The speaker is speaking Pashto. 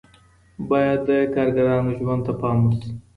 باید د کارګرانو ژوند ته پام وشي.